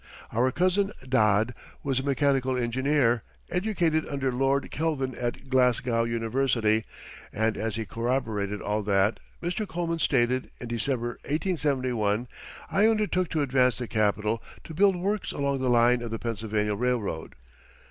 Our Cousin "Dod" was a mechanical engineer, educated under Lord Kelvin at Glasgow University, and as he corroborated all that Mr. Coleman stated, in December, 1871, I undertook to advance the capital to build works along the line of the Pennsylvania Railroad.